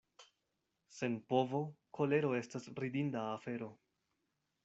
Sen povo kolero estas ridinda afero.